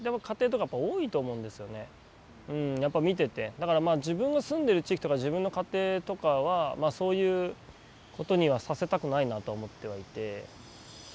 だから自分が住んでる地域とか自分の家庭とかはそういうことにはさせたくないなとは思ってはいて。